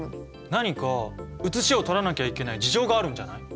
何か写しを取らなきゃいけない事情があるんじゃない？